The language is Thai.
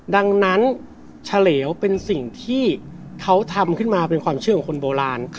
ดังนั้นเฉลวเป็นสิ่งที่เขาทำขึ้นมาเป็นความเชื่อของคนโบราณ